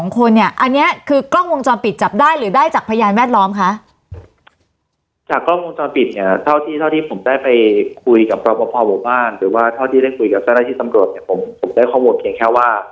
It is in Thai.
กล้องวงจอมปิดจับได้หรือได้จากพยายามแม่นล้อมคะ